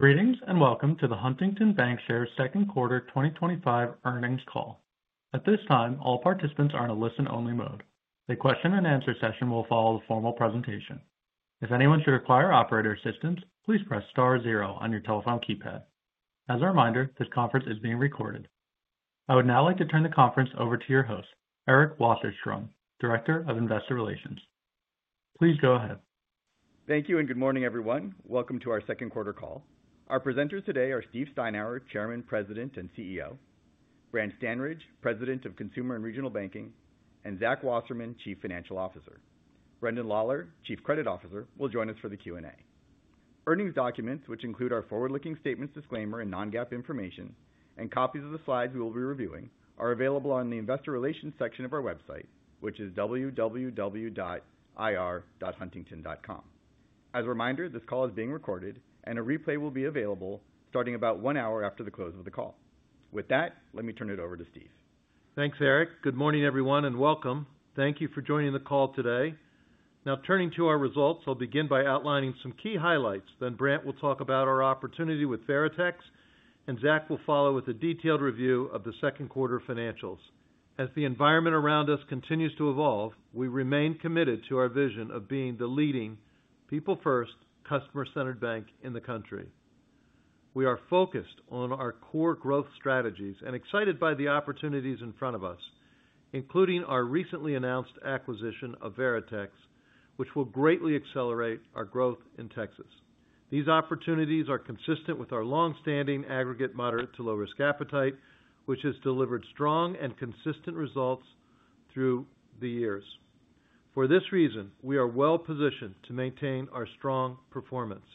Greetings and welcome to the Huntington Bancshares Second Quarter 2025 earnings call. At this time, all participants are in a listen-only mode. The question-and-answer session will follow the formal presentation. If anyone should require operator assistance, please press star zero on your telephone keypad. As a reminder, this conference is being recorded. I would now like to turn the conference over to your host, Eric Wasserstrom, Director of Investor Relations. Please go ahead. Thank you and good morning, everyone. Welcome to our second quarter call. Our presenters today are Steve Steinour, Chairman, President, and CEO; Brant Standridge, President of Consumer and Regional Banking; and Zach Wasserman, Chief Financial Officer. Brendan Lawlor, Chief Credit Officer, will join us for the Q&A. Earnings documents, which include our forward-looking statements, disclaimer, and non-GAAP information, and copies of the slides we will be reviewing, are available on the Investor Relations section of our website, which is www.ir.huntington.com. As a reminder, this call is being recorded, and a replay will be available starting about one hour after the close of the call. With that, let me turn it over to Steve. Thanks, Eric. Good morning, everyone, and welcome. Thank you for joining the call today. Now, turning to our results, I'll begin by outlining some key highlights. Then Brant will talk about our opportunity with Veritex, and Zach will follow with a detailed review of the second quarter financials. As the environment around us continues to evolve, we remain committed to our vision of being the leading, people-first, customer-centered bank in the country. We are focused on our core growth strategies and excited by the opportunities in front of us, including our recently announced acquisition of Veritex, which will greatly accelerate our growth in Texas. These opportunities are consistent with our longstanding aggregate moderate to low-risk appetite, which has delivered strong and consistent results through the years. For this reason, we are well positioned to maintain our strong performance.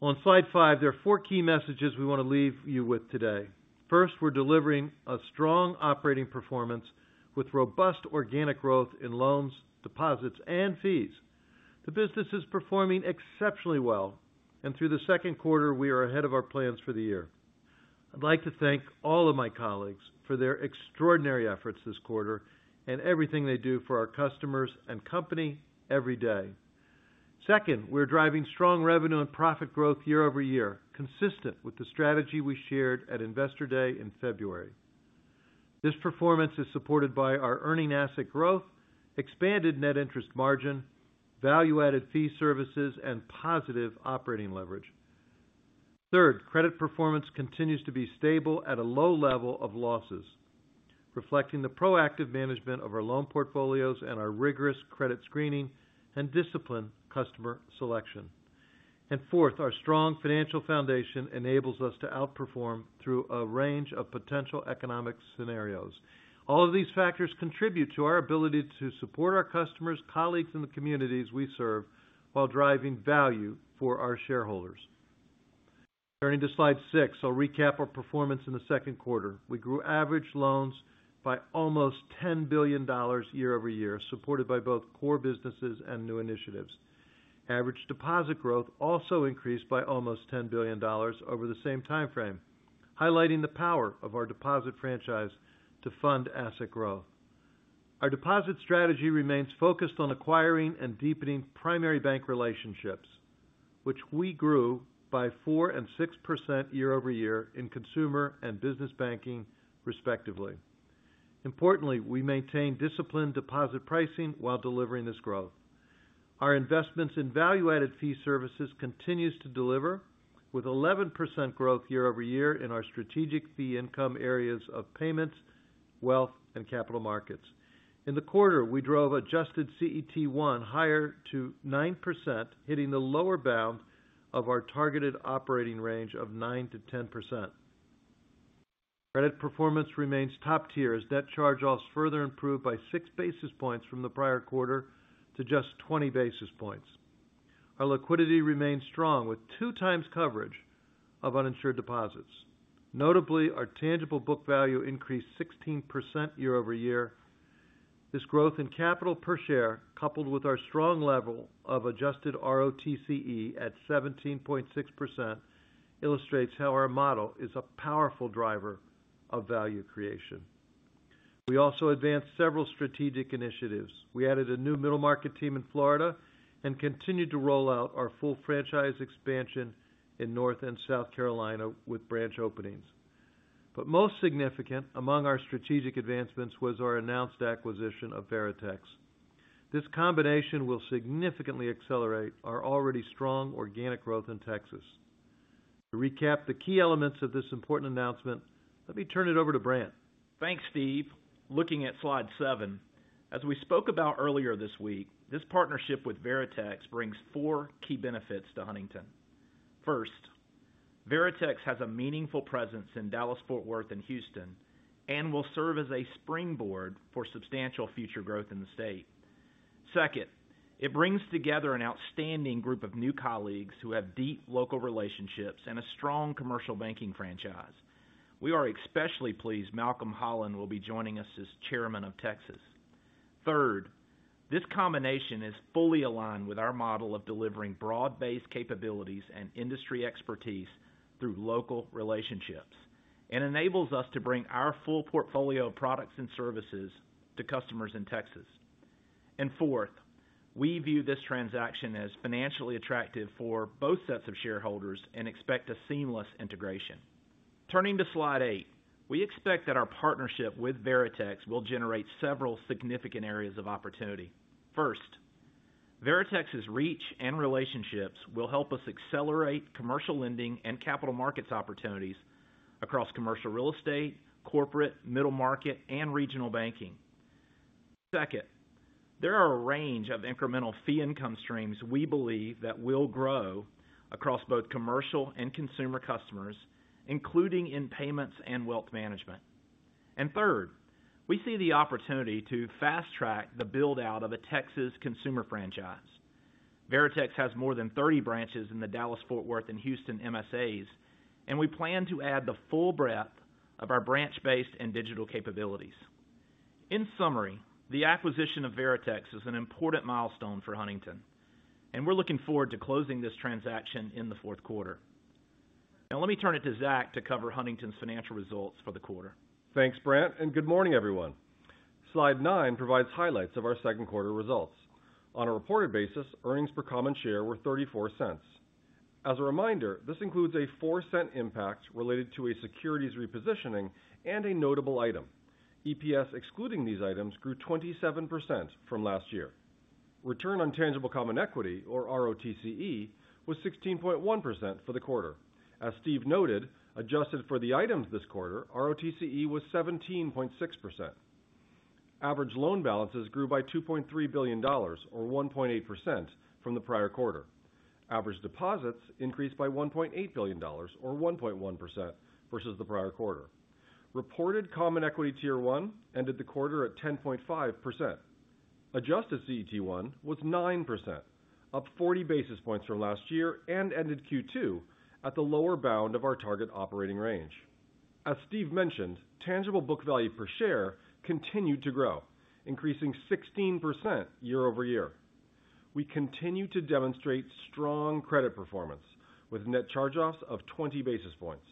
On slide five, there are four key messages we want to leave you with today. First, we're delivering a strong operating performance with robust organic growth in loans, deposits, and fees. The business is performing exceptionally well, and through the second quarter, we are ahead of our plans for the year. I'd like to thank all of my colleagues for their extraordinary efforts this quarter and everything they do for our customers and company every day. Second, we're driving strong revenue and profit growth year over year, consistent with the strategy we shared at Investor Day in February. This performance is supported by our earning asset growth, expanded net interest margin, value-added fee services, and positive operating leverage. Third, credit performance continues to be stable at a low level of losses, reflecting the proactive management of our loan portfolios and our rigorous credit screening and disciplined customer selection. Fourth, our strong financial foundation enables us to outperform through a range of potential economic scenarios. All of these factors contribute to our ability to support our customers, colleagues, and the communities we serve while driving value for our shareholders. Turning to slide six, I'll recap our performance in the second quarter. We grew average loans by almost $10 billion year over year, supported by both core businesses and new initiatives. Average deposit growth also increased by almost $10 billion over the same time frame, highlighting the power of our deposit franchise to fund asset growth. Our deposit strategy remains focused on acquiring and deepening primary bank relationships, which we grew by 4% and 6% year over year in consumer and business banking, respectively. Importantly, we maintain disciplined deposit pricing while delivering this growth. Our investments in value-added fee services continue to deliver, with 11% growth year over year in our strategic fee income areas of payments, wealth, and capital markets. In the quarter, we drove adjusted CET1 higher to 9%, hitting the lower bound of our targeted operating range of 9%-10%. Credit performance remains top tier as debt charge-offs further improved by six basis points from the prior quarter to just 20 basis points. Our liquidity remains strong, with two times coverage of uninsured deposits. Notably, our tangible book value increased 16% year over year. This growth in capital per share, coupled with our strong level of adjusted ROTCE at 17.6%, illustrates how our model is a powerful driver of value creation. We also advanced several strategic initiatives. We added a new middle market team in Florida and continued to roll out our full franchise expansion in North and South Carolina with branch openings. Most significant among our strategic advancements was our announced acquisition of Veritex. This combination will significantly accelerate our already strong organic growth in Texas. To recap the key elements of this important announcement, let me turn it over to Brant. Thanks, Steve. Looking at slide seven, as we spoke about earlier this week, this partnership with Veritex brings four key benefits to Huntington. First. Veritex has a meaningful presence in Dallas, Fort Worth, and Houston, and will serve as a springboard for substantial future growth in the state. Second, it brings together an outstanding group of new colleagues who have deep local relationships and a strong commercial banking franchise. We are especially pleased Malcolm Holland will be joining us as Chairman of Texas. Third, this combination is fully aligned with our model of delivering broad-based capabilities and industry expertise through local relationships and enables us to bring our full portfolio of products and services to customers in Texas. Fourth, we view this transaction as financially attractive for both sets of shareholders and expect a seamless integration. Turning to slide eight, we expect that our partnership with Veritex will generate several significant areas of opportunity. First. Veritex's reach and relationships will help us accelerate commercial lending and capital markets opportunities across commercial real estate, corporate, middle market, and regional banking. Second, there are a range of incremental fee income streams we believe that will grow across both commercial and consumer customers, including in payments and wealth management. Third, we see the opportunity to fast-track the build-out of a Texas consumer franchise. Veritex has more than 30 branches in the Dallas, Fort Worth, and Houston MSAs, and we plan to add the full breadth of our branch-based and digital capabilities. In summary, the acquisition of Veritex is an important milestone for Huntington, and we're looking forward to closing this transaction in the fourth quarter. Now, let me turn it to Zach to cover Huntington's financial results for the quarter. Thanks, Brant, and good morning, everyone. Slide nine provides highlights of our second quarter results. On a reported basis, earnings per common share were $0.34. As a reminder, this includes a $0.04 impact related to a securities repositioning and a notable item. EPS excluding these items grew 27% from last year. Return on tangible common equity, or ROTCE, was 16.1% for the quarter. As Steve noted, adjusted for the items this quarter, ROTCE was 17.6%. Average loan balances grew by $2.3 billion, or 1.8%, from the prior quarter. Average deposits increased by $1.8 billion, or 1.1%, versus the prior quarter. Reported common equity tier one ended the quarter at 10.5%. Adjusted CET1 was 9%, up 40 basis points from last year, and ended Q2 at the lower bound of our target operating range. As Steve mentioned, tangible book value per share continued to grow, increasing 16% year over year. We continue to demonstrate strong credit performance with net charge-offs of 20 basis points.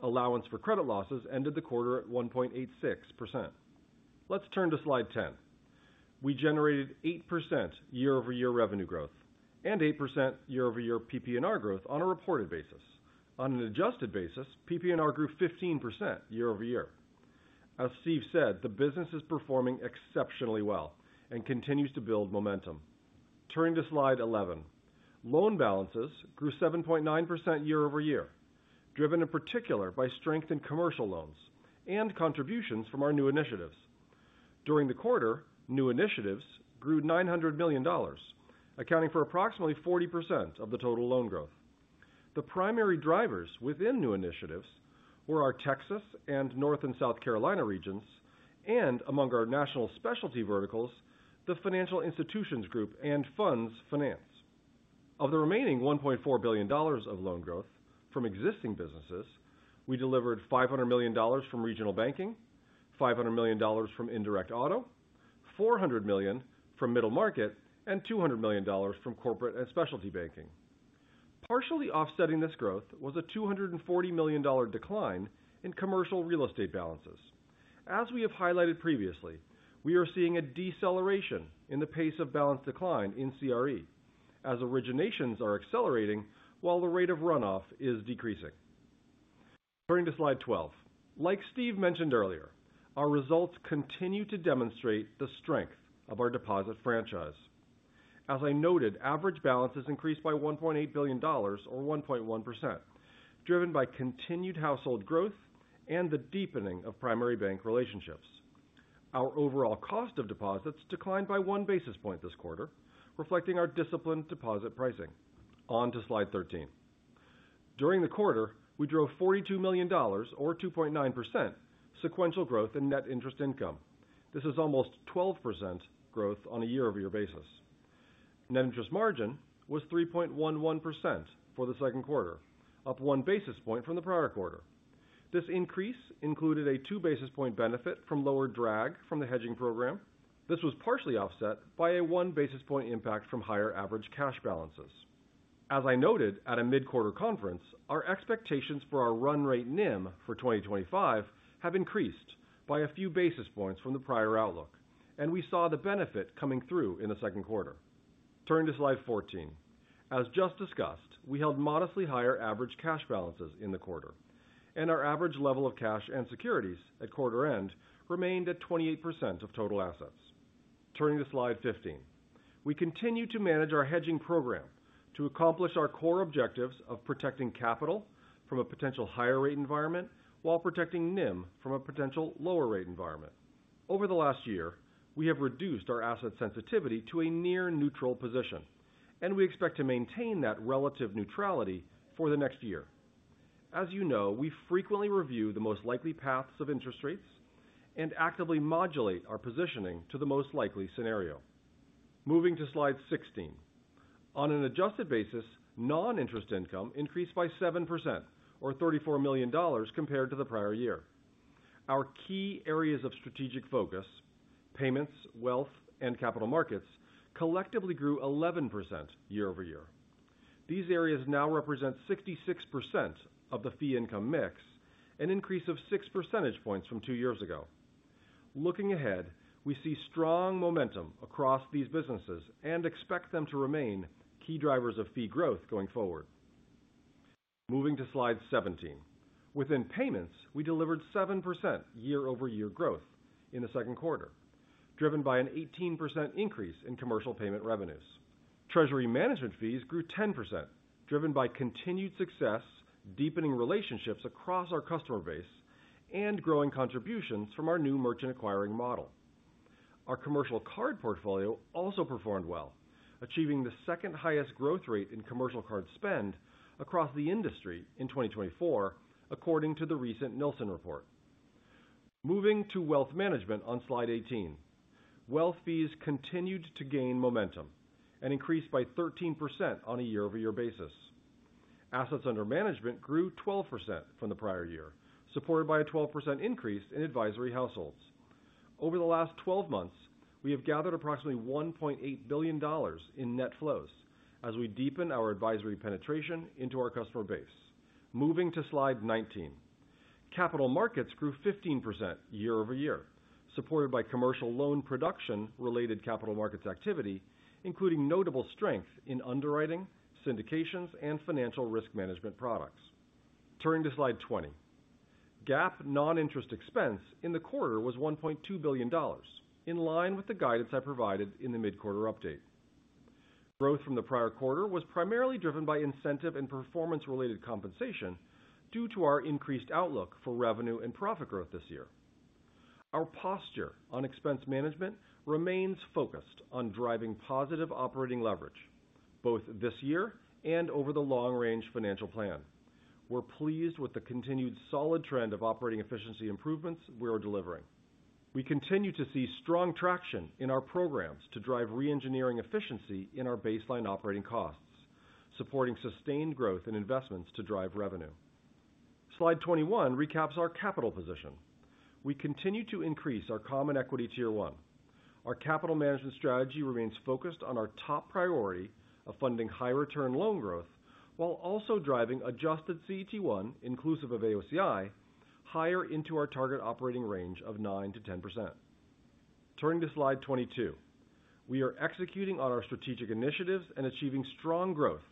Allowance for credit losses ended the quarter at 1.86%. Let's turn to slide ten. We generated 8% year-over-year revenue growth and 8% year-over-year PP&R growth on a reported basis. On an adjusted basis, PP&R grew 15% year-over-year. As Steve said, the business is performing exceptionally well and continues to build momentum. Turning to slide eleven, loan balances grew 7.9% year-over-year, driven in particular by strength in commercial loans and contributions from our new initiatives. During the quarter, new initiatives grew $900 million, accounting for approximately 40% of the total loan growth. The primary drivers within new initiatives were our Texas and North and South Carolina regions, and among our national specialty verticals, the financial institutions group and funds finance. Of the remaining $1.4 billion of loan growth from existing businesses, we delivered $500 million from regional banking, $500 million from indirect auto, $400 million from middle market, and $200 million from corporate and specialty banking. Partially offsetting this growth was a $240 million decline in commercial real estate balances. As we have highlighted previously, we are seeing a deceleration in the pace of balance decline in CRE, as originations are accelerating while the rate of runoff is decreasing. Turning to slide twelve, like Steve mentioned earlier, our results continue to demonstrate the strength of our deposit franchise. As I noted, average balances increased by $1.8 billion, or 1.1%, driven by continued household growth and the deepening of primary bank relationships. Our overall cost of deposits declined by one basis point this quarter, reflecting our disciplined deposit pricing. On to slide thirteen. During the quarter, we drove $42 million, or 2.9%, sequential growth in net interest income. This is almost 12% growth on a year-over-year basis. Net interest margin was 3.11% for the second quarter, up one basis point from the prior quarter. This increase included a two-basis-point benefit from lower drag from the hedging program. This was partially offset by a one-basis-point impact from higher average cash balances. As I noted at a mid-quarter conference, our expectations for our run rate NIM for 2025 have increased by a few basis points from the prior outlook, and we saw the benefit coming through in the second quarter. Turning to slide fourteen, as just discussed, we held modestly higher average cash balances in the quarter, and our average level of cash and securities at quarter-end remained at 28% of total assets. Turning to slide fifteen, we continue to manage our hedging program to accomplish our core objectives of protecting capital from a potential higher-rate environment while protecting NIM from a potential lower-rate environment. Over the last year, we have reduced our asset sensitivity to a near-neutral position, and we expect to maintain that relative neutrality for the next year. As you know, we frequently review the most likely paths of interest rates and actively modulate our positioning to the most likely scenario. Moving to slide sixteen, on an adjusted basis, non-interest income increased by 7%, or $34 million, compared to the prior year. Our key areas of strategic focus, payments, wealth, and capital markets, collectively grew 11% year-over-year. These areas now represent 66% of the fee income mix, an increase of 6 percentage points from two years ago. Looking ahead, we see strong momentum across these businesses and expect them to remain key drivers of fee growth going forward. Moving to slide seventeen, within payments, we delivered 7% year-over-year growth in the second quarter, driven by an 18% increase in commercial payment revenues. Treasury management fees grew 10%, driven by continued success, deepening relationships across our customer base, and growing contributions from our new merchant acquiring model. Our commercial card portfolio also performed well, achieving the second-highest growth rate in commercial card spend across the industry in 2024, according to the recent Nielsen report. Moving to wealth management on slide eighteen, wealth fees continued to gain momentum and increased by 13% on a year-over-year basis. Assets under management grew 12% from the prior year, supported by a 12% increase in advisory households. Over the last twelve months, we have gathered approximately $1.8 billion in net flows as we deepen our advisory penetration into our customer base. Moving to slide nineteen, capital markets grew 15% year-over-year, supported by commercial loan production-related capital markets activity, including notable strength in underwriting, syndications, and financial risk management products. Turning to slide twenty, GAAP non-interest expense in the quarter was $1.2 billion, in line with the guidance I provided in the mid-quarter update. Growth from the prior quarter was primarily driven by incentive and performance-related compensation due to our increased outlook for revenue and profit growth this year. Our posture on expense management remains focused on driving positive operating leverage, both this year and over the long-range financial plan. We're pleased with the continued solid trend of operating efficiency improvements we are delivering. We continue to see strong traction in our programs to drive re-engineering efficiency in our baseline operating costs, supporting sustained growth in investments to drive revenue. Slide twenty-one recaps our capital position. We continue to increase our common equity tier one. Our capital management strategy remains focused on our top priority of funding high-return loan growth while also driving adjusted CET1, inclusive of AOCI, higher into our target operating range of 9-10%. Turning to slide twenty-two, we are executing on our strategic initiatives and achieving strong growth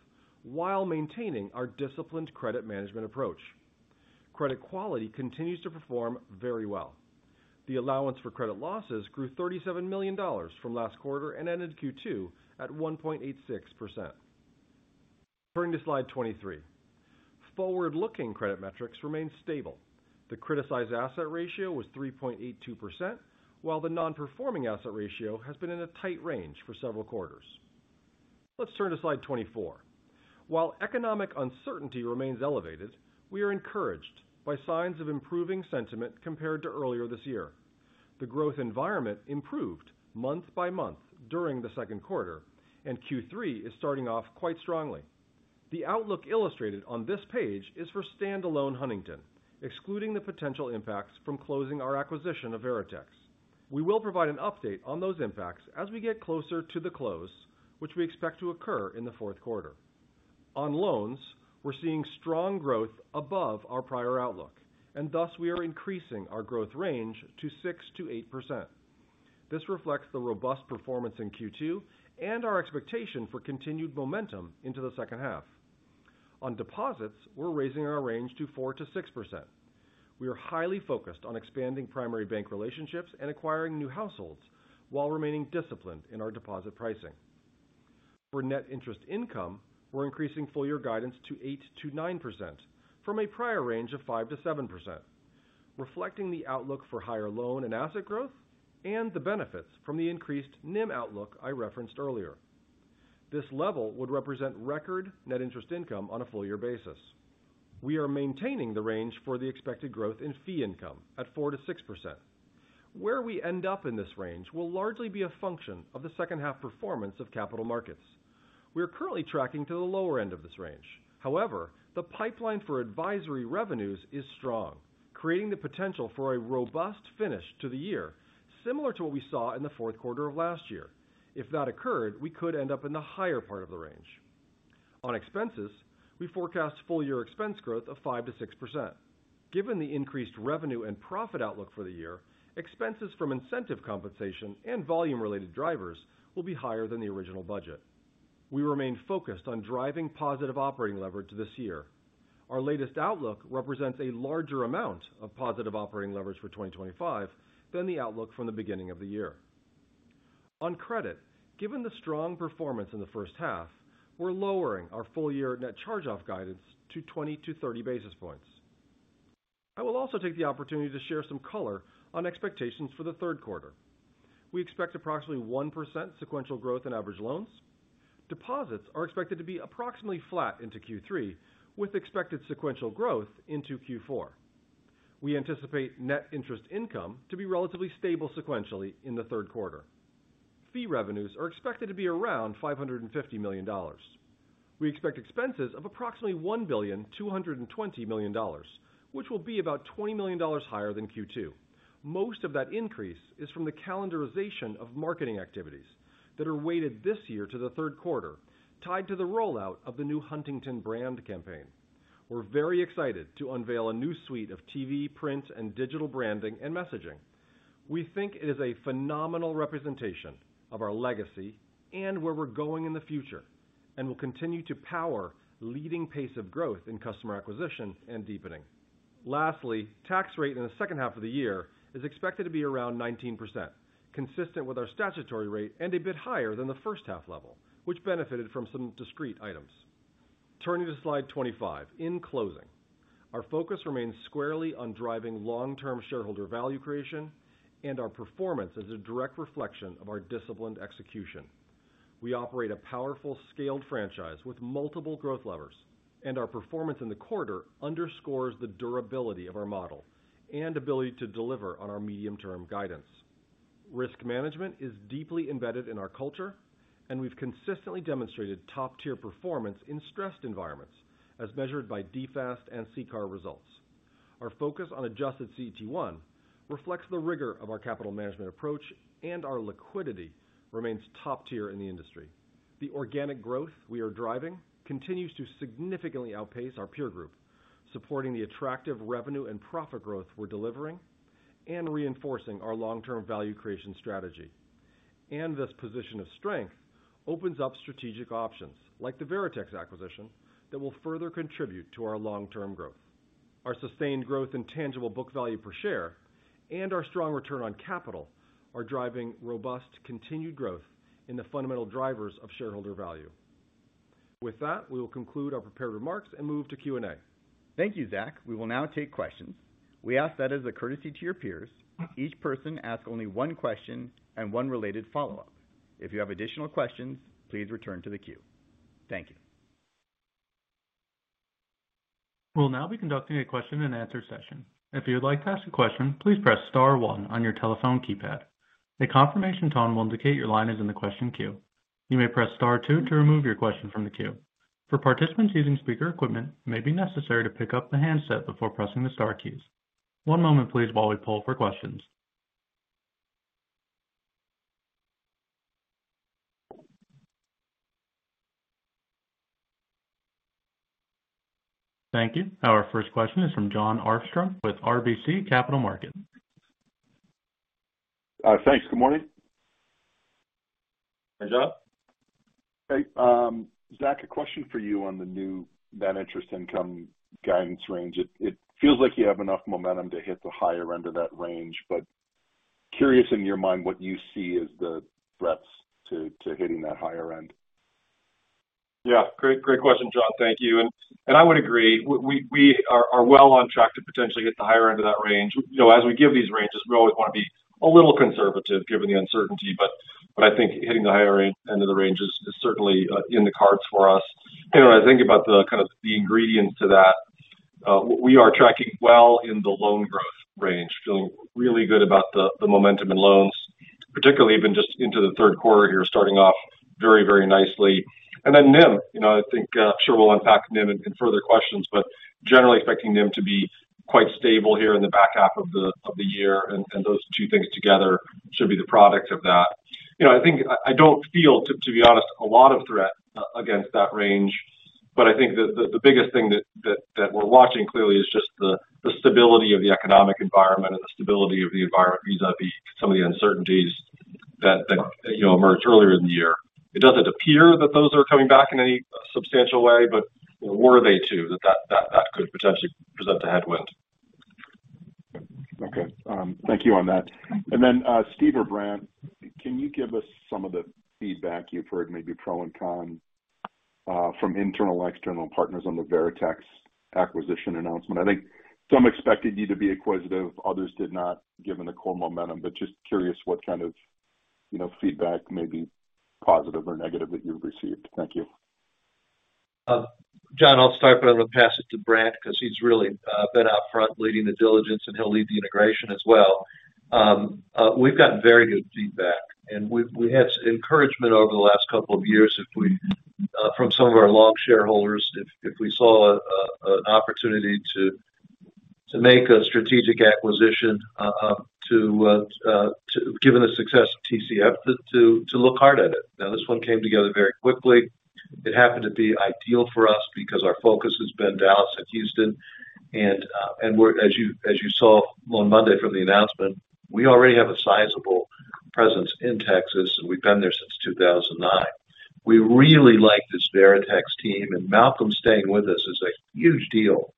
while maintaining our disciplined credit management approach. Credit quality continues to perform very well. The allowance for credit losses grew $37 million from last quarter and ended Q2 at 1.86%. Turning to slide twenty-three, forward-looking credit metrics remain stable. The criticized asset ratio was 3.82%, while the non-performing asset ratio has been in a tight range for several quarters. Let's turn to slide twenty-four. While economic uncertainty remains elevated, we are encouraged by signs of improving sentiment compared to earlier this year. The growth environment improved month by month during the second quarter, and Q3 is starting off quite strongly. The outlook illustrated on this page is for standalone Huntington, excluding the potential impacts from closing our acquisition of Veritex. We will provide an update on those impacts as we get closer to the close, which we expect to occur in the fourth quarter. On loans, we're seeing strong growth above our prior outlook, and thus we are increasing our growth range to 6-8%. This reflects the robust performance in Q2 and our expectation for continued momentum into the second half. On deposits, we're raising our range to 4-6%. We are highly focused on expanding primary bank relationships and acquiring new households while remaining disciplined in our deposit pricing. For net interest income, we're increasing full-year guidance to 8-9% from a prior range of 5-7%, reflecting the outlook for higher loan and asset growth and the benefits from the increased NIM outlook I referenced earlier. This level would represent record net interest income on a full-year basis. We are maintaining the range for the expected growth in fee income at 4-6%. Where we end up in this range will largely be a function of the second half performance of capital markets. We are currently tracking to the lower end of this range. However, the pipeline for advisory revenues is strong, creating the potential for a robust finish to the year, similar to what we saw in the fourth quarter of last year. If that occurred, we could end up in the higher part of the range. On expenses, we forecast full-year expense growth of 5-6%. Given the increased revenue and profit outlook for the year, expenses from incentive compensation and volume-related drivers will be higher than the original budget. We remain focused on driving positive operating leverage this year. Our latest outlook represents a larger amount of positive operating leverage for 2025 than the outlook from the beginning of the year. On credit, given the strong performance in the first half, we're lowering our full-year net charge-off guidance to 20-30 basis points. I will also take the opportunity to share some color on expectations for the third quarter. We expect approximately 1% sequential growth in average loans. Deposits are expected to be approximately flat into Q3, with expected sequential growth into Q4. We anticipate net interest income to be relatively stable sequentially in the third quarter. Fee revenues are expected to be around $550 million. We expect expenses of approximately $1,220 million, which will be about $20 million higher than Q2. Most of that increase is from the calendarization of marketing activities that are weighted this year to the third quarter, tied to the rollout of the new Huntington Brand campaign. We're very excited to unveil a new suite of TV, print, and digital branding and messaging. We think it is a phenomenal representation of our legacy and where we're going in the future and will continue to power leading pace of growth in customer acquisition and deepening. Lastly, tax rate in the second half of the year is expected to be around 19%, consistent with our statutory rate and a bit higher than the first half level, which benefited from some discrete items. Turning to slide twenty-five, in closing, our focus remains squarely on driving long-term shareholder value creation and our performance as a direct reflection of our disciplined execution. We operate a powerful, scaled franchise with multiple growth levers, and our performance in the quarter underscores the durability of our model and ability to deliver on our medium-term guidance. Risk management is deeply embedded in our culture, and we've consistently demonstrated top-tier performance in stressed environments, as measured by DFAST and CCAR results. Our focus on adjusted CET1 reflects the rigor of our capital management approach, and our liquidity remains top-tier in the industry. The organic growth we are driving continues to significantly outpace our peer group, supporting the attractive revenue and profit growth we're delivering and reinforcing our long-term value creation strategy. This position of strength opens up strategic options like the Veritex acquisition that will further contribute to our long-term growth. Our sustained growth in tangible book value per share and our strong return on capital are driving robust continued growth in the fundamental drivers of shareholder value. With that, we will conclude our prepared remarks and move to Q&A. Thank you, Zach. We will now take questions. We ask that as a courtesy to your peers, each person ask only one question and one related follow-up. If you have additional questions, please return to the queue. Thank you. We'll now be conducting a question-and-answer session. If you'd like to ask a question, please press star one on your telephone keypad. A confirmation tone will indicate your line is in the question queue. You may press star two to remove your question from the queue. For participants using speaker equipment, it may be necessary to pick up the handset before pressing the star keys. One moment, please, while we pull for questions. Thank you. Our first question is from Jon Arfstrom with RBC Capital Markets. Thanks. Good morning. Hey, Jon. Hey, Zach, a question for you on the new net interest income guidance range. It feels like you have enough momentum to hit the higher end of that range, but curious in your mind what you see as the threats to hitting that higher end. Yeah, great question, Jon. Thank you. I would agree. We are well on track to potentially hit the higher end of that range. As we give these ranges, we always want to be a little conservative given the uncertainty, but I think hitting the higher end of the range is certainly in the cards for us. When I think about the kind of the ingredients to that, we are tracking well in the loan growth range, feeling really good about the momentum in loans, particularly even just into the third quarter here, starting off very, very nicely. NIM, I think I'm sure we'll unpack NIM in further questions, but generally expecting NIM to be quite stable here in the back half of the year, and those two things together should be the product of that. I think I don't feel, to be honest, a lot of threat against that range, but I think that the biggest thing that we're watching clearly is just the stability of the economic environment and the stability of the environment vis-à-vis some of the uncertainties that emerged earlier in the year. It doesn't appear that those are coming back in any substantial way, but were they to, that could potentially present a headwind. Okay. Thank you on that. Steve or Brant, can you give us some of the feedback you've heard, maybe pro and con, from internal and external partners on the Veritex acquisition announcement? I think some expected you to be inquisitive, others did not, given the core momentum, but just curious what kind of feedback, maybe positive or negative, that you've received. Thank you. Jon, I'll start, but I'm going to pass it to Brant because he's really been upfront leading the diligence, and he'll lead the integration as well. We've gotten very good feedback, and we had encouragement over the last couple of years from some of our long shareholders if we saw an opportunity to make a strategic acquisition. Given the success of TCF, to look hard at it. Now, this one came together very quickly. It happened to be ideal for us because our focus has been Dallas and Houston. As you saw on Monday from the announcement, we already have a sizable presence in Texas, and we've been there since 2009. We really like this Veritex team, and Malcolm staying with us is a huge deal.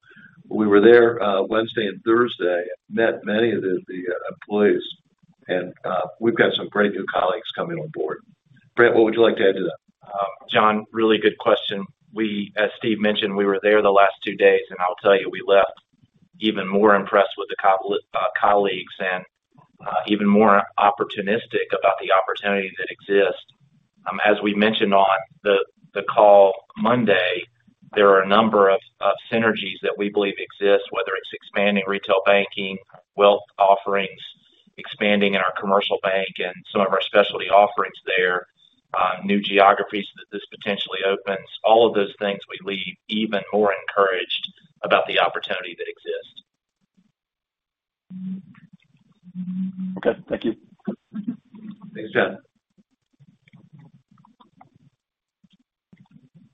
We were there Wednesday and Thursday, met many of the employees, and we've got some great new colleagues coming on board. Brant, what would you like to add to that? John, really good question. We, as Steve mentioned, we were there the last two days, and I'll tell you, we left even more impressed with the colleagues and even more opportunistic about the opportunity that exists. As we mentioned on the call Monday, there are a number of synergies that we believe exist, whether it's expanding retail banking, wealth offerings, expanding in our commercial bank and some of our specialty offerings there, new geographies that this potentially opens. All of those things we leave even more encouraged about the opportunity that exists. Okay. Thank you. Thanks, Jon.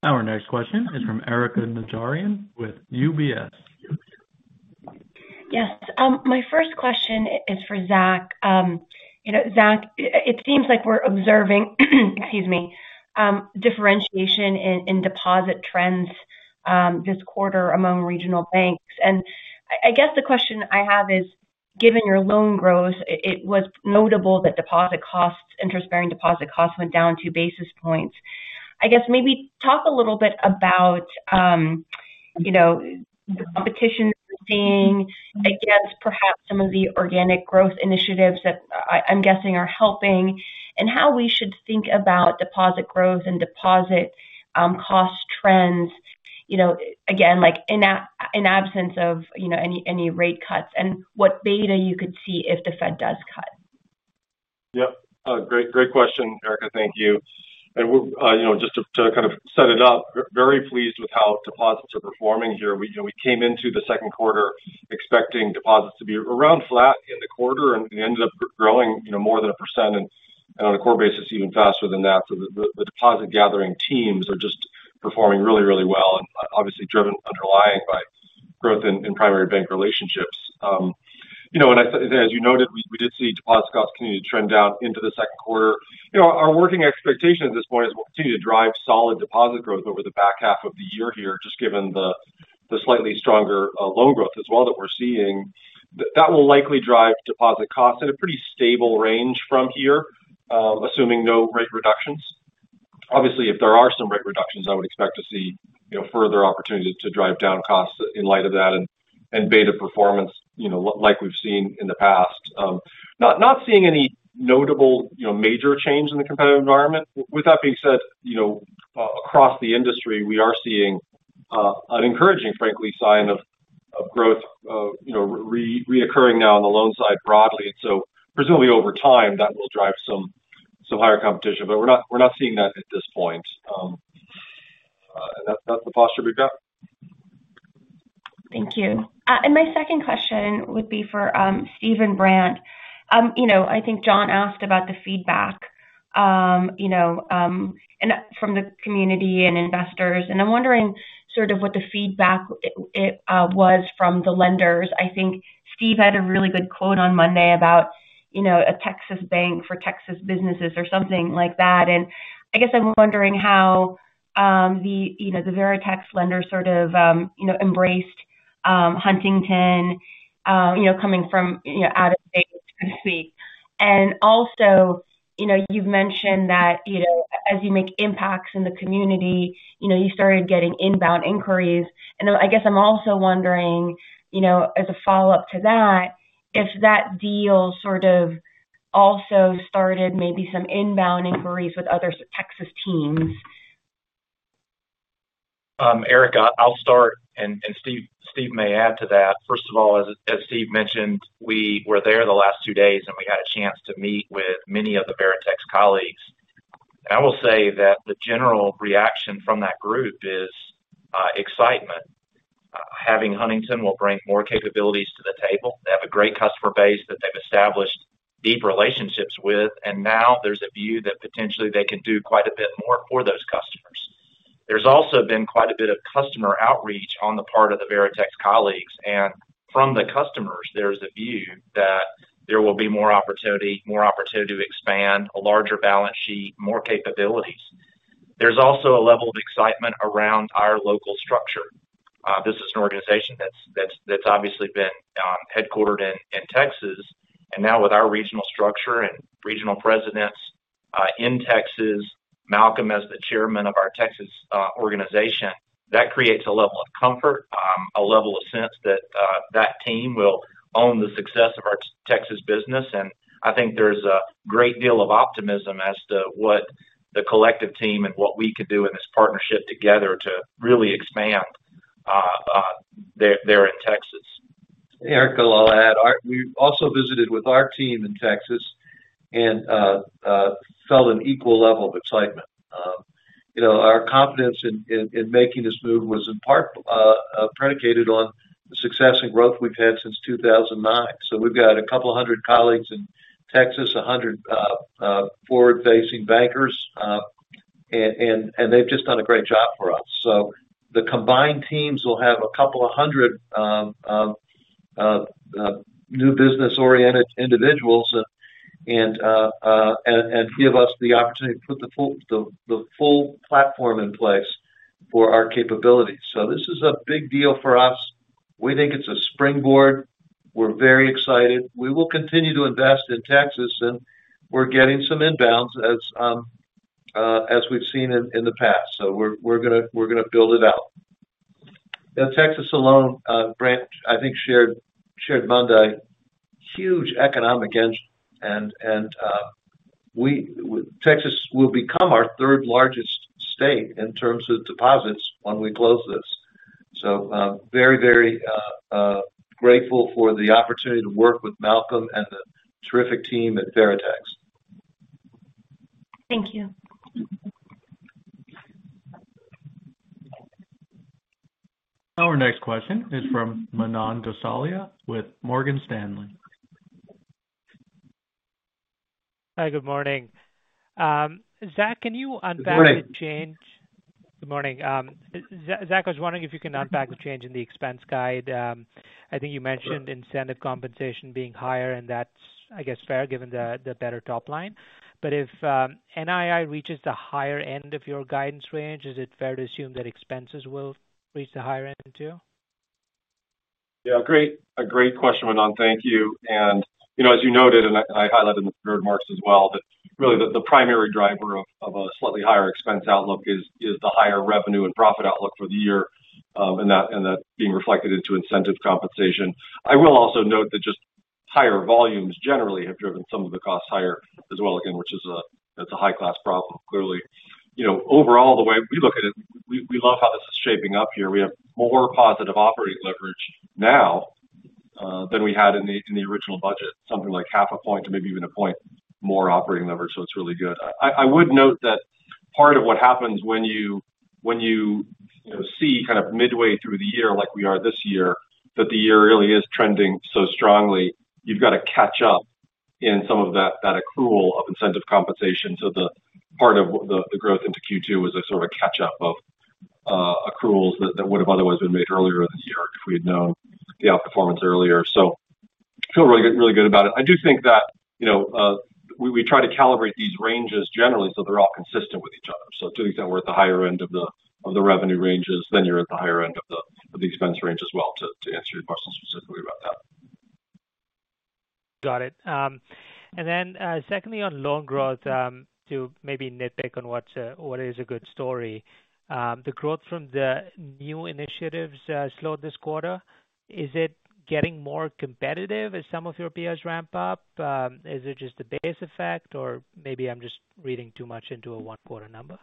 Our next question is from Erika Najarian with UBS. Yes. My first question is for Zach. Zach, it seems like we're observing, excuse me, differentiation in deposit trends this quarter among regional banks. I guess the question I have is, given your loan growth, it was notable that deposit costs, interest-bearing deposit costs went down two basis points. I guess maybe talk a little bit about the competition we're seeing against perhaps some of the organic growth initiatives that I'm guessing are helping and how we should think about deposit growth and deposit cost trends, again, in absence of any rate cuts and what beta you could see if the Fed does cut. Yeah. Great question, Erica. Thank you. And just to kind of set it up, very pleased with how deposits are performing here. We came into the second quarter expecting deposits to be around flat in the quarter and ended up growing more than 1% and on a core basis even faster than that. So the deposit-gathering teams are just performing really, really well and obviously driven underlying by growth in primary bank relationships. As you noted, we did see deposit costs continue to trend down into the second quarter. Our working expectation at this point is we'll continue to drive solid deposit growth over the back half of the year here, just given the slightly stronger loan growth as well that we're seeing. That will likely drive deposit costs in a pretty stable range from here, assuming no rate reductions. Obviously, if there are some rate reductions, I would expect to see further opportunity to drive down costs in light of that and beta performance like we've seen in the past. Not seeing any notable major change in the competitive environment. With that being said. Across the industry, we are seeing. An encouraging, frankly, sign of growth. Reoccurring now on the loan side broadly. Presumably over time, that will drive some higher competition, but we're not seeing that at this point. That's the posture we've got. Thank you. My second question would be for Steve and Brant. I think John asked about the feedback from the community and investors. I am wondering sort of what the feedback was from the lenders. I think Steve had a really good quote on Monday about a Texas bank for Texas businesses or something like that. I guess I am wondering how the Veritex lenders sort of embraced Huntington coming from out of state, so to speak. Also, you have mentioned that as you make impacts in the community, you started getting inbound inquiries. I guess I am also wondering, as a follow-up to that, if that deal sort of also started maybe some inbound inquiries with other Texas teams. Erika, I'll start, and Steve may add to that. First of all, as Steve mentioned, we were there the last two days, and we had a chance to meet with many of the Veritex colleagues. I will say that the general reaction from that group is excitement. Having Huntington will bring more capabilities to the table. They have a great customer base that they've established deep relationships with, and now there's a view that potentially they can do quite a bit more for those customers. There's also been quite a bit of customer outreach on the part of the Veritex colleagues. From the customers, there's a view that there will be more opportunity to expand, a larger balance sheet, more capabilities. There's also a level of excitement around our local structure. This is an organization that's obviously been headquartered in Texas. Now with our regional structure and regional presidents in Texas, Malcolm as the chairman of our Texas organization, that creates a level of comfort, a level of sense that that team will own the success of our Texas business. I think there's a great deal of optimism as to what the collective team and what we could do in this partnership together to really expand there in Texas. Erica, I'll add. We also visited with our team in Texas. We felt an equal level of excitement. Our confidence in making this move was in part predicated on the success and growth we've had since 2009. We've got a couple hundred colleagues in Texas, a hundred forward-facing bankers. They've just done a great job for us. The combined teams will have a couple hundred new business-oriented individuals. This gives us the opportunity to put the full platform in place for our capabilities. This is a big deal for us. We think it's a springboard. We're very excited. We will continue to invest in Texas, and we're getting some inbounds as we've seen in the past. We're going to build it out. Texas alone, Brant, I think shared Monday, is a huge economic engine. Texas will become our third largest state in terms of deposits when we close this. We're very, very grateful for the opportunity to work with Malcolm and the terrific team at Veritex. Thank you. Our next question is from Manan Gosalia with Morgan Stanley. Hi, good morning. Zach, can you unpack the change? Good morning. Zach, was wondering if you can unpack the change in the expense guide. I think you mentioned incentive compensation being higher, and that's, I guess, fair given the better top line. If NII reaches the higher end of your guidance range, is it fair to assume that expenses will reach the higher end too? Yeah, great question, Manan. Thank you. As you noted, and I highlighted in the third marks as well, that really the primary driver of a slightly higher expense outlook is the higher revenue and profit outlook for the year, and that being reflected into incentive compensation. I will also note that just higher volumes generally have driven some of the costs higher as well, again, which is a high-class problem, clearly. Overall, the way we look at it, we love how this is shaping up here. We have more positive operating leverage now than we had in the original budget, something like half a point to maybe even a point more operating leverage, so it's really good. I would note that part of what happens when you see kind of midway through the year, like we are this year, that the year really is trending so strongly, you've got to catch up in some of that accrual of incentive compensation. Part of the growth into Q2 was a sort of a catch-up of accruals that would have otherwise been made earlier in the year if we had known the outperformance earlier. I feel really good about it. I do think that we try to calibrate these ranges generally so they're all consistent with each other. To the extent we're at the higher end of the revenue ranges, then you're at the higher end of the expense range as well to answer your question specifically about that. Got it. Secondly, on loan growth, to maybe nitpick on what is a good story, the growth from the new initiatives slowed this quarter. Is it getting more competitive as some of your peers ramp up? Is it just the base effect, or maybe I'm just reading too much into a one-quarter number?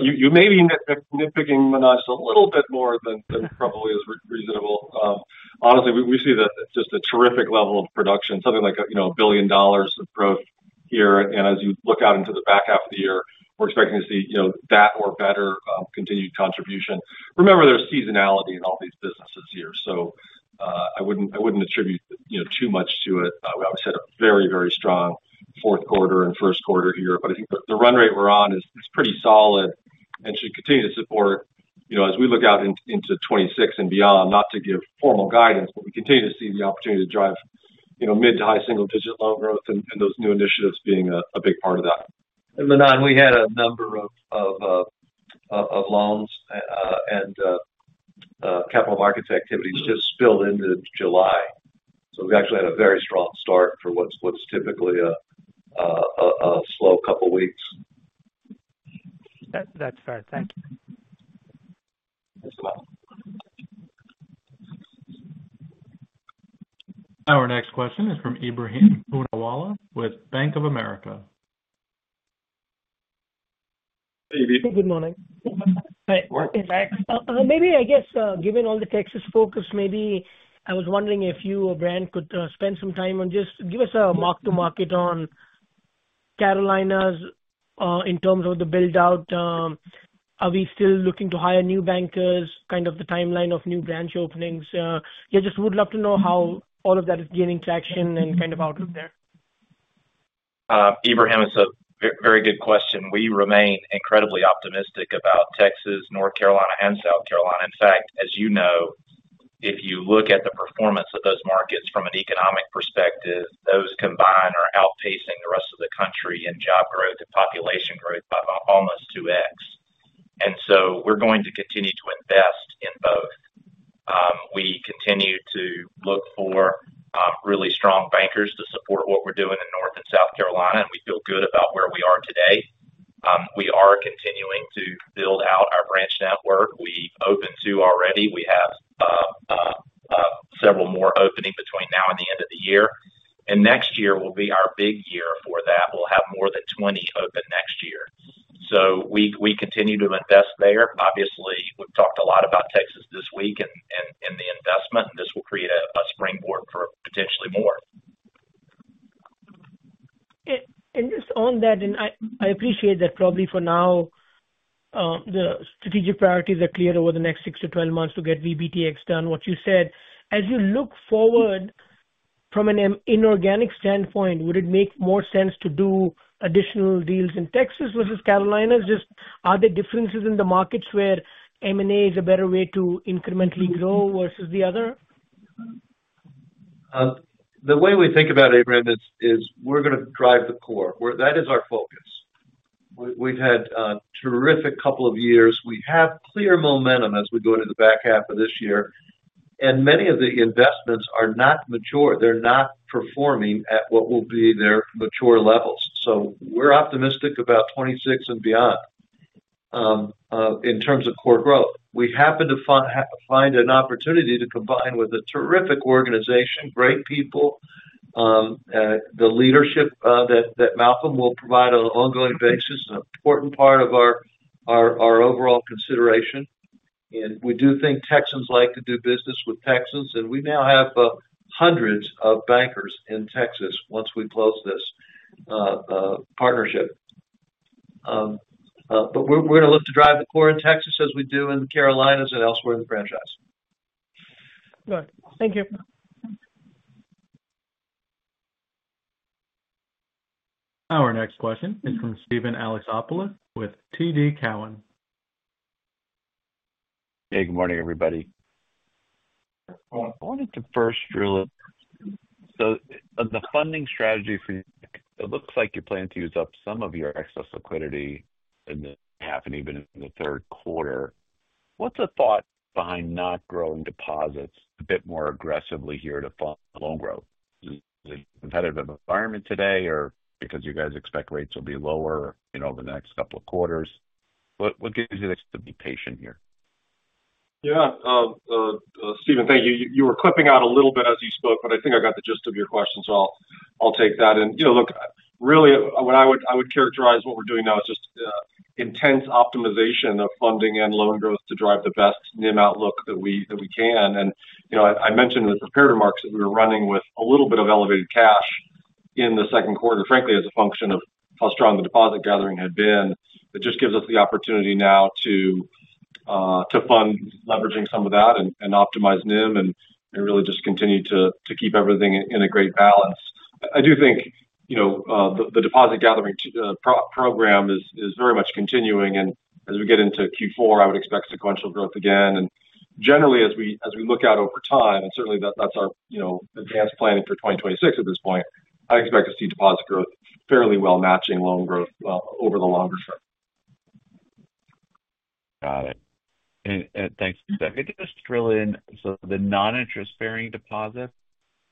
You may be nitpicking, Manan, a little bit more than probably is reasonable. Honestly, we see that it is just a terrific level of production, something like $1 billion of growth here. As you look out into the back half of the year, we are expecting to see that or better continued contribution. Remember, there is seasonality in all these businesses here. I would not attribute too much to it. We obviously had a very, very strong fourth quarter and first quarter here. I think the run rate we are on is pretty solid and should continue to support. As we look out into 2026 and beyond, not to give formal guidance, we continue to see the opportunity to drive mid to high single-digit loan growth and those new initiatives being a big part of that. Manan, we had a number of loans and capital markets activities just spilled into July. So we've actually had a very strong start for what's typically a slow couple of weeks. That's fair. Thank you. Our next question is from Ebrahim Poonawala with Bank of America. Good morning. Hi. Working back. Maybe, I guess, given all the Texas focus, maybe I was wondering if you, Brant, could spend some time on just give us a mark-to-market on Carolinas in terms of the build-out. Are we still looking to hire new bankers, kind of the timeline of new branch openings? Yeah, just would love to know how all of that is gaining traction and kind of out of there. it is a very good question. We remain incredibly optimistic about Texas, North Carolina, and South Carolina. In fact, as you know, if you look at the performance of those markets from an economic perspective, those combined are outpacing the rest of the country in job growth and population growth by almost 2x. We are going to continue to invest in both. We continue to look for really strong bankers to support what we are doing in North and South Carolina, and we feel good about where we are today. We are continuing to build out our branch network. We opened two already. We have several more opening between now and the end of the year. Next year will be our big year for that. We will have more than 20 open next year. We continue to invest there. Obviously, we have talked a lot about Texas this week and the investment, and this will create a springboard for potentially more. Just on that, and I appreciate that probably for now. The strategic priorities are clear over the next 6 to 12 months to get VBTX done. What you said, as you look forward. From an inorganic standpoint, would it make more sense to do additional deals in Texas versus Carolinas? Just are there differences in the markets where M&A is a better way to incrementally grow versus the other? The way we think about it, Ibrahim, is we're going to drive the core. That is our focus. We've had a terrific couple of years. We have clear momentum as we go to the back half of this year. Many of the investments are not mature. They're not performing at what will be their mature levels. We are optimistic about 2026 and beyond in terms of core growth. We happen to find an opportunity to combine with a terrific organization, great people. The leadership that Malcolm will provide on an ongoing basis is an important part of our overall consideration. We do think Texans like to do business with Texans. We now have hundreds of bankers in Texas once we close this partnership. We are going to look to drive the core in Texas as we do in the Carolinas and elsewhere in the franchise. Good. Thank you. Our next question is from Steven Alexopoulos with TD Cowen. Hey, good morning, everybody. I wanted to first really. So the funding strategy for you, it looks like you plan to use up some of your excess liquidity in the half and even in the third quarter. What's the thought behind not growing deposits a bit more aggressively here to fund loan growth? Is it a competitive environment today, or because you guys expect rates will be lower in the next couple of quarters? What gives you the extra patience here? Yeah. Steven, thank you. You were clipping out a little bit as you spoke, but I think I got the gist of your question, so I'll take that. Look, really, what I would characterize what we're doing now is just intense optimization of funding and loan growth to drive the best NIM outlook that we can. I mentioned in the prepared remarks that we were running with a little bit of elevated cash in the second quarter, frankly, as a function of how strong the deposit gathering had been. It just gives us the opportunity now to fund, leveraging some of that, and optimize NIM and really just continue to keep everything in a great balance. I do think the deposit gathering program is very much continuing. As we get into Q4, I would expect sequential growth again. Generally, as we look out over time, and certainly that's our advanced planning for 2026 at this point, I expect to see deposit growth fairly well matching loan growth over the longer term. Got it. Thanks. Can I just drill in? The non-interest-bearing deposits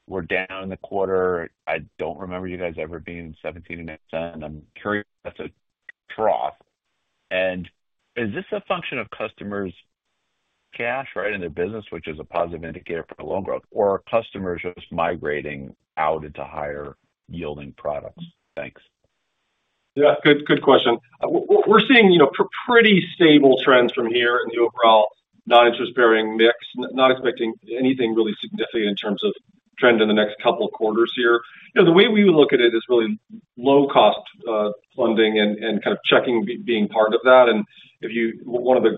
were down in the quarter. I do not remember you guys ever being in 2017 and 2018. I am curious if that is a trough. Is this a function of customers' cash, right, in their business, which is a positive indicator for loan growth, or are customers just migrating out into higher-yielding products? Thanks. Yeah, good question. We're seeing pretty stable trends from here in the overall non-interest-bearing mix, not expecting anything really significant in terms of trend in the next couple of quarters here. The way we look at it is really low-cost funding and kind of checking being part of that. One of the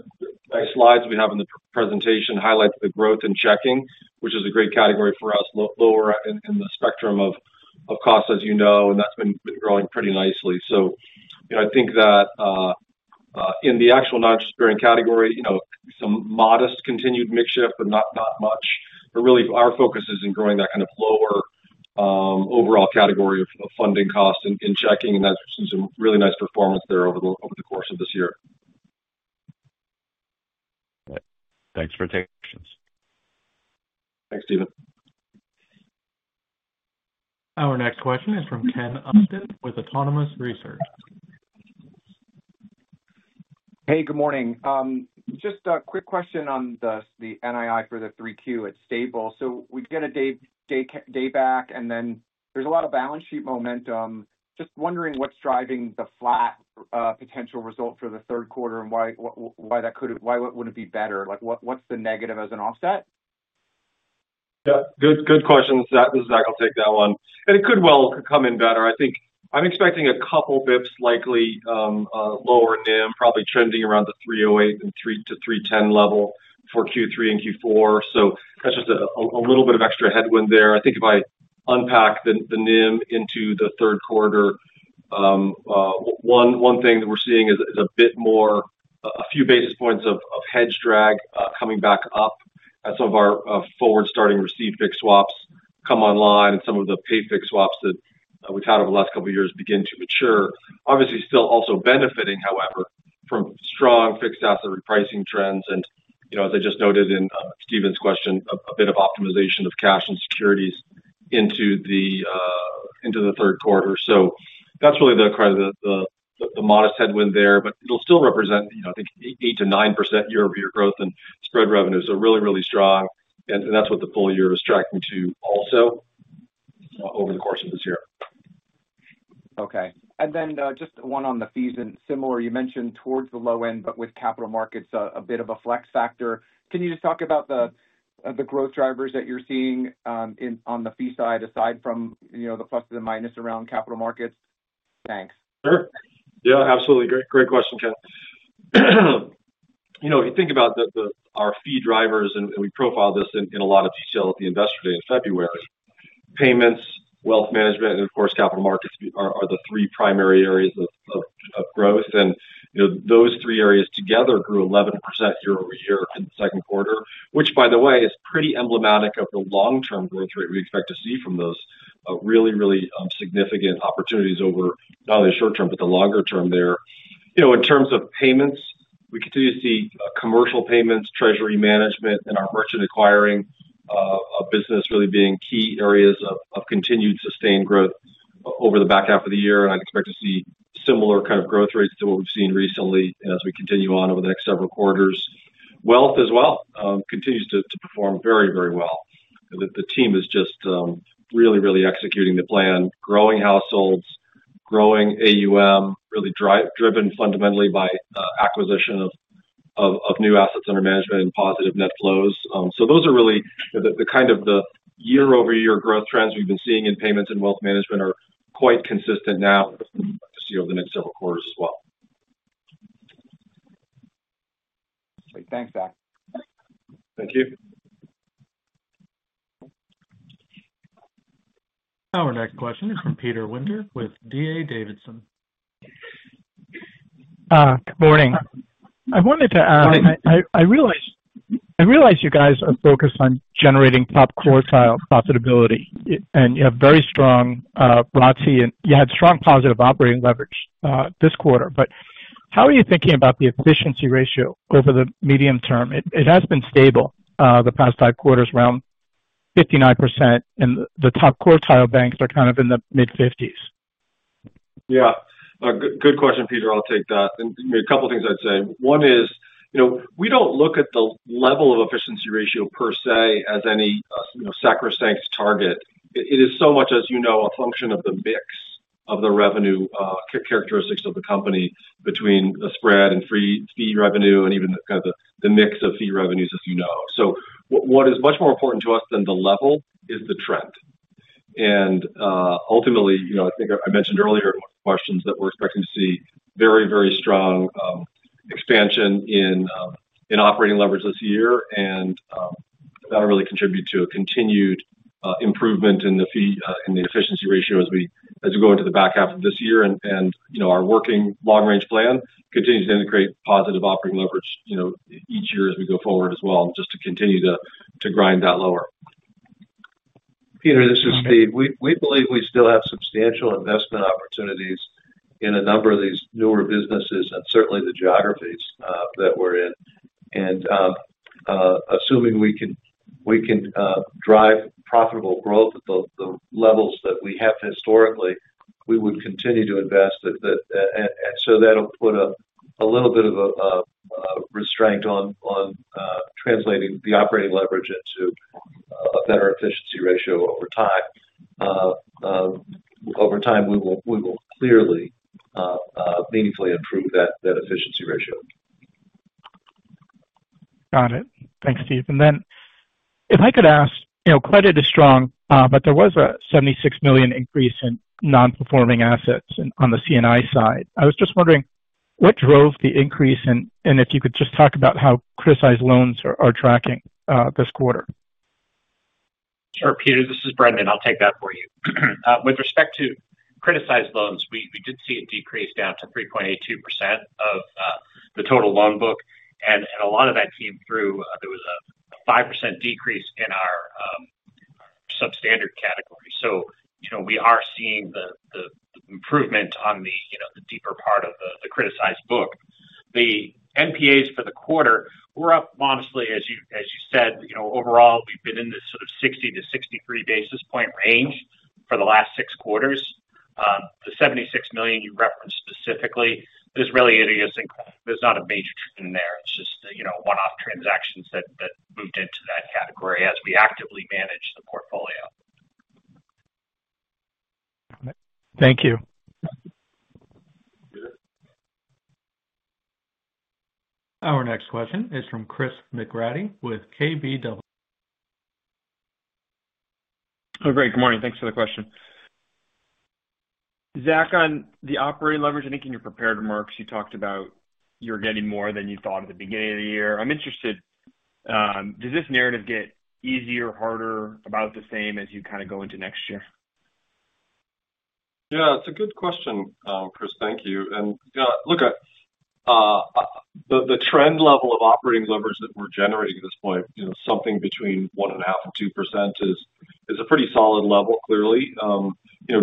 slides we have in the presentation highlights the growth in checking, which is a great category for us, lower in the spectrum of cost, as you know, and that's been growing pretty nicely. I think that in the actual non-interest-bearing category, some modest continued mixture, but not much. Really, our focus is in growing that kind of lower overall category of funding cost in checking, and that's seen some really nice performance there over the course of this year. Thanks for taking questions. Thanks, Steven. Our next question is from Ken Austin with Autonomous Research. Hey, good morning. Just a quick question on the NII for the 3Q. It's stable. We get a day back, and then there's a lot of balance sheet momentum. Just wondering what's driving the flat potential result for the third quarter and why that wouldn't be better. What's the negative as an offset? Yeah, good question. This is Zach. I'll take that one. It could well come in better. I think I'm expecting a couple basis points likely. Lower NIM, probably trending around the 3.08-3.10 level for Q3 and Q4. That's just a little bit of extra headwind there. I think if I unpack the NIM into the third quarter, one thing that we're seeing is a bit more, a few basis points of hedge drag coming back up as some of our forward-starting receipt fix swaps come online and some of the pay fix swaps that we've had over the last couple of years begin to mature. Obviously, still also benefiting, however, from strong fixed asset repricing trends. As I just noted in Steven's question, a bit of optimization of cash and securities into the third quarter. That's really kind of the modest headwind there, but it'll still represent, I think, 8%-9% year-over-year growth in spread revenue. Really, really strong. That's what the full year is tracking to also over the course of this year. Okay. And then just one on the fees and similar. You mentioned towards the low end, but with capital markets, a bit of a flex factor. Can you just talk about the growth drivers that you're seeing on the fee side, aside from the pluses and minuses around capital markets? Thanks. Sure. Yeah, absolutely. Great question, Ken. If you think about our fee drivers, and we profiled this in a lot of detail at the investor day in February, payments, wealth management, and of course, capital markets are the three primary areas of growth. Those three areas together grew 11% year over year in the second quarter, which, by the way, is pretty emblematic of the long-term growth rate we expect to see from those really, really significant opportunities over not only the short-term but the longer term there. In terms of payments, we continue to see commercial payments, treasury management, and our merchant acquiring business really being key areas of continued sustained growth over the back half of the year. I'd expect to see similar kind of growth rates to what we've seen recently as we continue on over the next several quarters. Wealth as well continues to perform very, very well. The team is just really, really executing the plan, growing households, growing AUM, really driven fundamentally by acquisition of new assets under management and positive net flows. Those are really the kind of the year-over-year growth trends we've been seeing in payments and wealth management are quite consistent now to see over the next several quarters as well. Thanks, Zach. Thank you. Our next question is from Peter Winter with DA Davidson. Good morning. I wanted to ask, I realize you guys are focused on generating top quartile profitability, and you have very strong ROTCE, and you had strong positive operating leverage this quarter. How are you thinking about the efficiency ratio over the medium term? It has been stable the past five quarters, around 59%, and the top quartile banks are kind of in the mid-50s. Yeah. Good question, Peter. I'll take that. A couple of things I'd say. One is, we don't look at the level of efficiency ratio per se as any sacrosanct target. It is so much, as you know, a function of the mix of the revenue characteristics of the company between the spread and fee revenue and even kind of the mix of fee revenues, as you know. What is much more important to us than the level is the trend. Ultimately, I think I mentioned earlier in questions that we're expecting to see very, very strong expansion in operating leverage this year. That'll really contribute to a continued improvement in the efficiency ratio as we go into the back half of this year. Our working long-range plan continues to integrate positive operating leverage each year as we go forward as well, and just to continue to grind that lower. Peter, this is Steve. We believe we still have substantial investment opportunities in a number of these newer businesses and certainly the geographies that we're in. Assuming we can drive profitable growth at the levels that we have historically, we would continue to invest. That will put a little bit of a restraint on translating the operating leverage into a better efficiency ratio over time. Over time, we will clearly meaningfully improve that efficiency ratio. Got it. Thanks, Steve. If I could ask, credit is strong, but there was a $76 million increase in non-performing assets on the CNI side. I was just wondering what drove the increase, and if you could just talk about how criticized loans are tracking this quarter. Sure, Peter. This is Brendan. I'll take that for you. With respect to criticized loans, we did see a decrease down to 3.82% of the total loan book. A lot of that came through. There was a 5% decrease in our substandard category. We are seeing the improvement on the deeper part of the criticized book. The NPAs for the quarter were up, honestly, as you said. Overall, we've been in this sort of 60-63 basis point range for the last six quarters. The $76 million you referenced specifically, there's really not a major trend there. It's just one-off transactions that moved into that category as we actively manage the portfolio. Thank you. Our next question is from Chris McGrady with KBW. Oh, great. Good morning. Thanks for the question. Zach, on the operating leverage, I think in your prepared remarks, you talked about you're getting more than you thought at the beginning of the year. I'm interested. Does this narrative get easier, harder, about the same as you kind of go into next year? Yeah, it's a good question, Chris. Thank you. Look. The trend level of operating leverage that we're generating at this point, something between 1.5% and 2%, is a pretty solid level, clearly.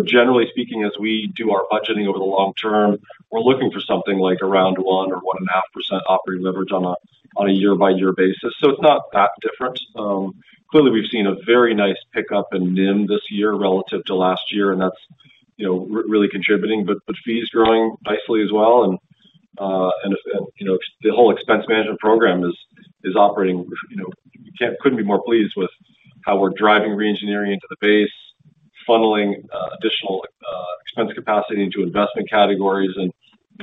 Generally speaking, as we do our budgeting over the long term, we're looking for something like around 1% or 1.5% operating leverage on a year-by-year basis. It's not that different. Clearly, we've seen a very nice pickup in NIM this year relative to last year, and that's really contributing. Fees are growing nicely as well. The whole expense management program is operating—we couldn't be more pleased with how we're driving re-engineering into the base, funneling additional expense capacity into investment categories, and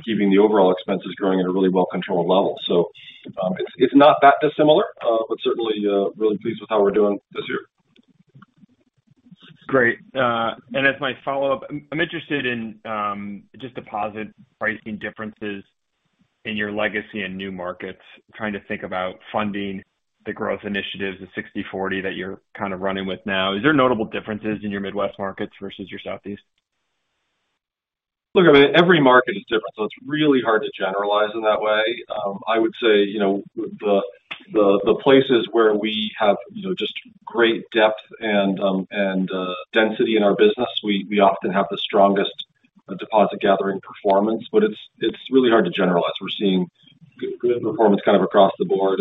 keeping the overall expenses growing at a really well-controlled level. It's not that dissimilar, but certainly really pleased with how we're doing this year. Great. As my follow-up, I'm interested in just deposit pricing differences in your legacy and new markets, trying to think about funding the growth initiatives, the 60/40 that you're kind of running with now. Is there notable differences in your Midwest markets versus your Southeast? Look, every market is different. It's really hard to generalize in that way. I would say the places where we have just great depth and density in our business, we often have the strongest deposit gathering performance. It's really hard to generalize. We're seeing good performance kind of across the board.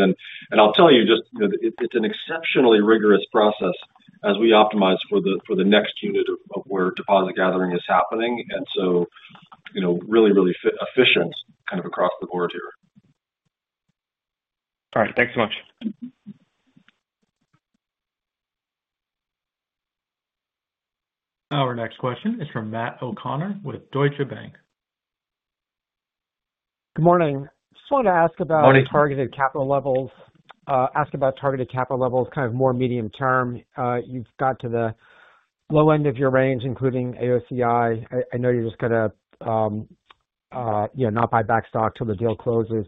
I'll tell you, it's an exceptionally rigorous process as we optimize for the next unit of where deposit gathering is happening. Really, really efficient kind of across the board here. All right. Thanks so much. Our next question is from Matt O'Connor with Deutsche Bank. Good morning. Just wanted to ask about targeted capital levels, kind of more medium term. You've got to the low end of your range, including AOCI. I know you're just going to not buy back stock till the deal closes.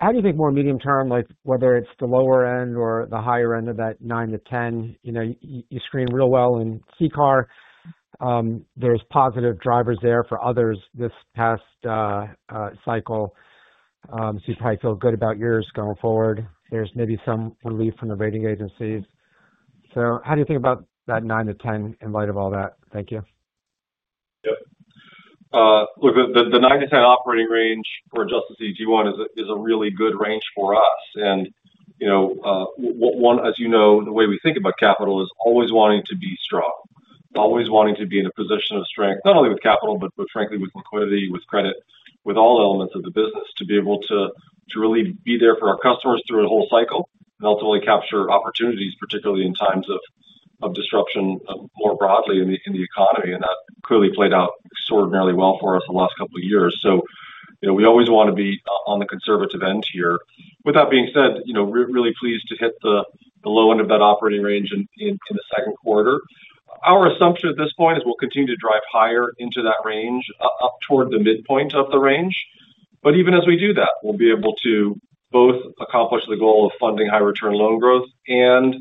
How do you think more medium term, whether it's the lower end or the higher end of that 9-10? You screen real well in CCAR. There's positive drivers there for others this past cycle. You probably feel good about yours going forward. There's maybe some relief from the rating agencies. How do you think about that 9-10 in light of all that? Thank you. Yep. Look, the 9-10 operating range for adjusted CET1 is a really good range for us. One, as you know, the way we think about capital is always wanting to be strong, always wanting to be in a position of strength, not only with capital, but frankly, with liquidity, with credit, with all elements of the business, to be able to really be there for our customers through a whole cycle and ultimately capture opportunities, particularly in times of disruption more broadly in the economy. That clearly played out extraordinarily well for us the last couple of years. We always want to be on the conservative end here. With that being said, really pleased to hit the low end of that operating range in the second quarter. Our assumption at this point is we'll continue to drive higher into that range, up toward the midpoint of the range. Even as we do that, we'll be able to both accomplish the goal of funding high-return loan growth and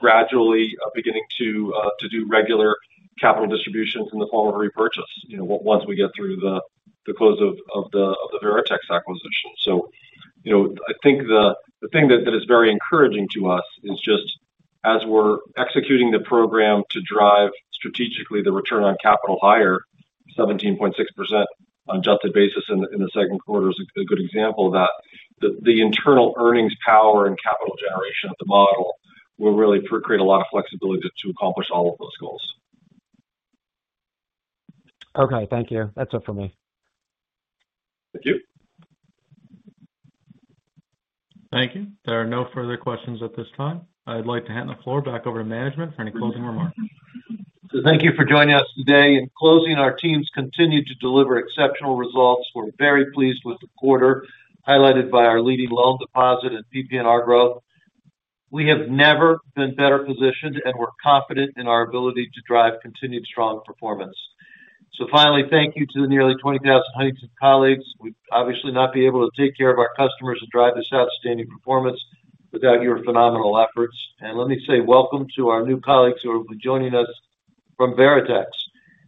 gradually beginning to do regular capital distributions in the form of repurchase once we get through the close of the Veritex acquisition. I think the thing that is very encouraging to us is just as we're executing the program to drive strategically the return on capital higher, 17.6% on adjusted basis in the second quarter is a good example of that. The internal earnings power and capital generation of the model will really create a lot of flexibility to accomplish all of those goals. Okay. Thank you. That's it for me. Thank you. Thank you. There are no further questions at this time. I'd like to hand the floor back over to management for any closing remarks. Thank you for joining us today. In closing, our teams continue to deliver exceptional results. We are very pleased with the quarter, highlighted by our leading loan, deposit, and PPNR growth. We have never been better positioned, and we are confident in our ability to drive continued strong performance. Finally, thank you to the nearly 20,000 Huntington colleagues. We would obviously not be able to take care of our customers and drive this outstanding performance without your phenomenal efforts. Let me say welcome to our new colleagues who will be joining us from Veritex.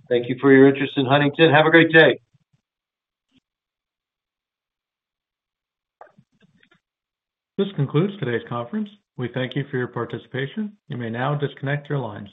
Thank you for your interest in Huntington. Have a great day. This concludes today's conference. We thank you for your participation. You may now disconnect your lines.